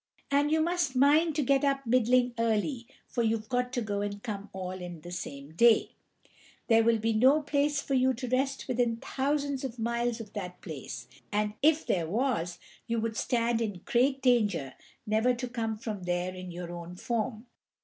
And you must mind to get up middling early, for you've got to go and come all in the same day; there will be no place for you to rest within thousands of miles of that place; and if there was, you would stand in great danger never to come from there in your own form.